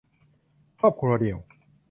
ครอบครัวเดี่ยว